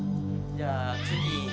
じゃあ次。